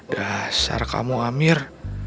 dah secara kamu amir